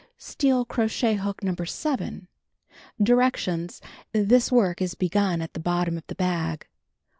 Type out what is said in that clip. Steel crochet hook No. 7. Directions: This work is begun at the bottom of the bag.